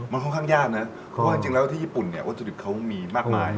มันค่อนข้างยากนะเพราะว่าจริงแล้วที่ญี่ปุ่นเนี่ยวัตถุดิบเขามีมากมาย